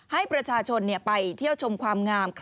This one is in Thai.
ให้ประชาชนไปเที่ยวชมความงาม